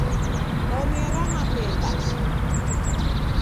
Omera mapemba